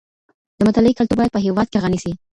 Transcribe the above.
د مطالعې کلتور باید په هېواد کي غني سي.